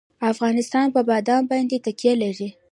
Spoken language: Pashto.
افغانستان په بادام باندې تکیه لري.